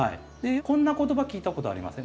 こんな言葉聞いたことありません？